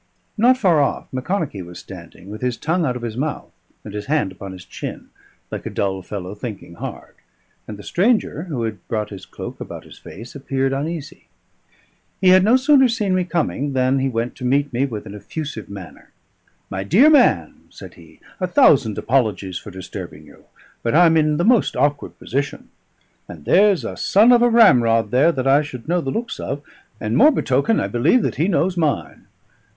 Not far off Macconochie was standing, with his tongue out of his mouth and his hand upon his chin, like a dull fellow thinking hard, and the stranger, who had brought his cloak about his face, appeared uneasy. He had no sooner seen me coming than he went to meet me with an effusive manner. "My dear man," said he, "a thousand apologies for disturbing you, but I'm in the most awkward position. And there's a son of a ramrod there that I should know the looks of, and more, betoken, I believe that he knows mine.